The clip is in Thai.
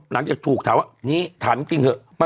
หลังจากถูกถามว่า